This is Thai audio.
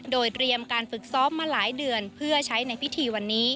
โดยเตรียมการฝึกซ้อมมาหลายเดือนเพื่อใช้ในพิธีวันนี้